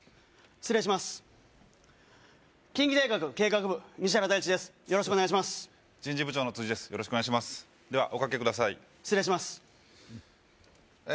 失礼しますええ